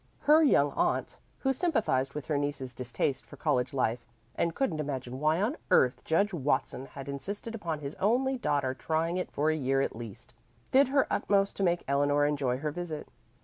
Her young aunt, who sympathized with her niece's distaste for college life, and couldn't imagine why on earth Judge Watson had insisted upon his only daughter's trying it for a year at least, did her utmost to make Eleanor enjoy her visit.